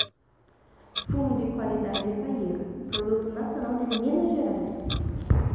Fumo de qualidade é paiero, produto nacional de Minas Gerais